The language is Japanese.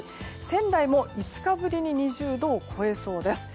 仙台も５日ぶりに２０度を超えそうです。